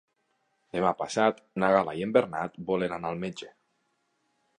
Demà passat na Gal·la i en Bernat volen anar al metge.